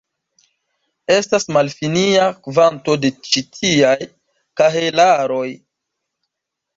Estas malfinia kvanto de ĉi tiaj kahelaroj.